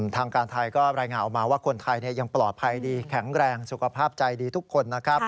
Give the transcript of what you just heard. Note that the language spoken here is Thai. ทางการไทยก็รายงานออกมาว่าคนไทยยังปลอดภัยดีแข็งแรงสุขภาพใจดีทุกคนนะครับ